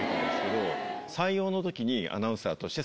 採用の時に。